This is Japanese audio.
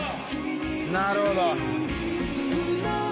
なるほど。